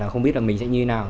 không biết là mình sẽ như thế nào